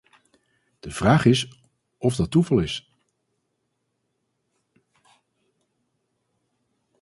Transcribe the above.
De vraag is of dat toeval is.